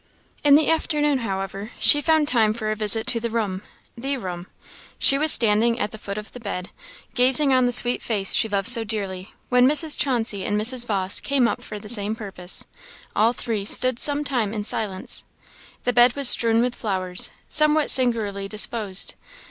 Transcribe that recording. In the afternoon, however, she found time for a visit to the room the room. She was standing at the foot of the bed, gazing on the sweet face she loved so dearly, when Mrs. Chauncey and Mrs. Vawse came up for the same purpose. All three stood some time in silence. The bed was strewn with flowers, somewhat singularly disposed.